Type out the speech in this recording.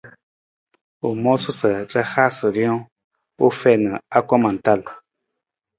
U moona sa ra haasa rijang u fiin anggoma tal.